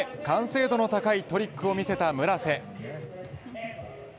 完成度の高いトリックを決めた村瀬。